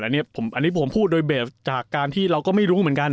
อันนี้ผมพูดโดยเบสจากการที่เราก็ไม่รู้เหมือนกัน